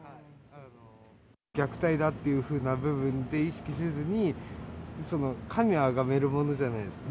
虐待だっていうふうな部分で意識せずに、神をあがめるものじゃないですか。